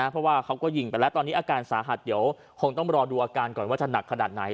เพราะว่าเขาก็ยิงไปแล้วตอนนี้อาการสาหัสเดี๋ยวคงต้องรอดูอาการก่อนว่าจะหนักขนาดไหน